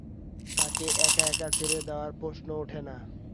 তাকে এক-একা ছেড়ে দেওয়ার প্রশ্ন ওঠে না।